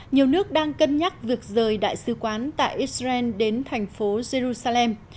nhiều nước đang cân nhắc việc rời đại sứ quán tại israel đến thành phố jerusalem